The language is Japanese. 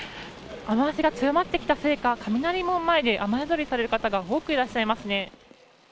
雨脚が強まってきたせいか雷門前で雨宿りされる方が多くいらっしゃいます。